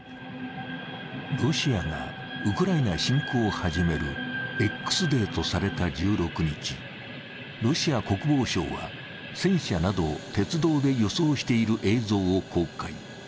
ロシアがウクライナ侵攻を始めるＸデーとされた１６日、ロシア国防省は戦車などを鉄道で輸送している映像を公開。